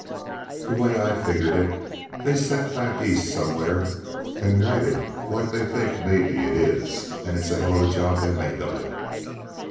The way I've figured it, they set back East somewhere and write it like they think maybe it is; and it's a hell of a job they make of it."